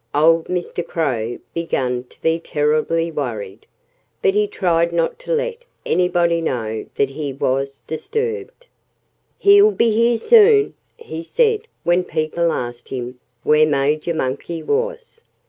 Old Mr. Crow began to be terribly worried. But he tried not to let anybody know that he was disturbed. "He'll be here soon," he said when people asked him where Major Monkey was.